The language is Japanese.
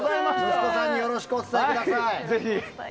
息子さんによろしくお伝えください。